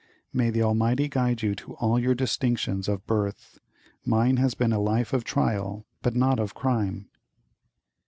May the Almighty guide you to all your distinctions of birth! Mine has been a life of trial, but not of crime!"